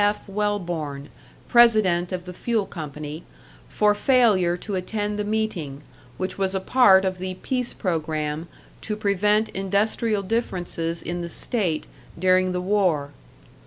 F. Welborn, president of the fuel company, for failure to attend the meeting, which was a part of the "peace programme" to prevent industrial differences in the State during the war.